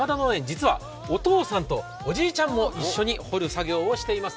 実は、お父さんとおじいちゃんも一緒に掘る作業をしています。